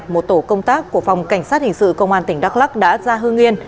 một tổ công tác của phòng cảnh sát hình sự công an tỉnh đắk lắc đã ra hương yên